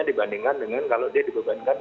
dibandingkan kalau dia dibebankan